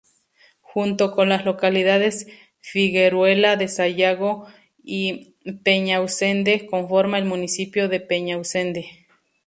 Junto con las localidades Figueruela de Sayago y Peñausende, conforma el municipio de Peñausende.